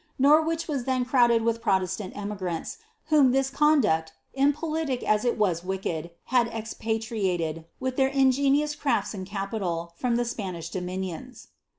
Norwich was then crowded with protestant emigrants, whom this conduct, impolitic as it was wicked, had expatriated, with their ingenious crafts and capital, from the Spanish dominions.